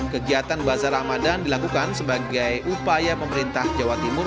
kegiatan bazar ramadan dilakukan sebagai upaya pemerintah jawa timur